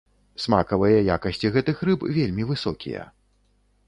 Смакавыя якасці гэтых рыб вельмі высокія.